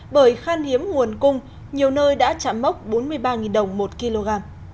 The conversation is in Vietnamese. bởi khan hiếm nguồn cung nhiều nơi đã chạm mốc bốn mươi ba đồng một kg